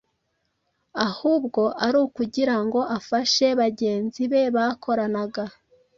ahubwo ari ukugira ngo afashe bagenzi be bakoranaga.